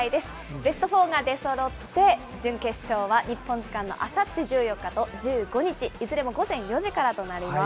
ベストフォーが出そろって、準決勝は日本時間のあさって１４日と１５日、いずれも午前４時からとなります。